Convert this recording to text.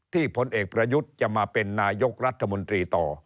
พลเอกประยุทธ์จะมาเป็นนายกรัฐมนตรีต่อ